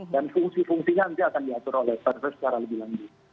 dan fungsi fungsinya nanti akan diatur oleh prp secara lebih lanjut